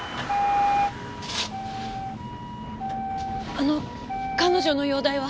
あの彼女の容体は。